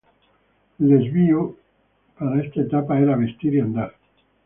El desvío para esta etapa era Vestir y Andar.